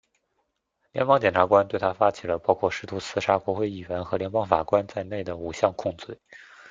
联邦检察官对他发起了包括试图刺杀国会议员和联邦法官在内的五项控罪。